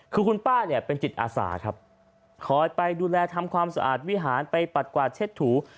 คือคุณป้าเนี่ยเป็นจิตอาสาครับคอยไปดูแลทำความสะอาดวิหารไปปัดกวาดเช็ดถู